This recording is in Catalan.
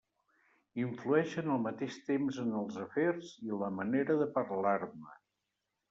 Influeixen al mateix temps en els afers i en la manera de parlar-ne.